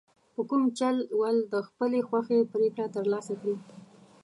په کوم چل ول د خپلې خوښې پرېکړه ترلاسه کړي.